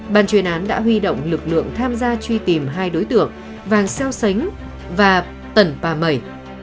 bàn truyền án đã huy động lực lượng tham gia truy tìm hai đối tượng vàng xeo xánh và tần pa mẩy